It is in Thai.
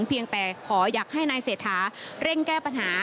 เพียงแต่ขออยากให้นายเศรษฐาเร่งแก้ปัญหา